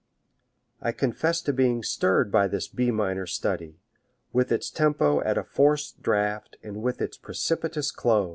I confess to being stirred by this B minor study, with its tempo at a forced draught and with its precipitous close.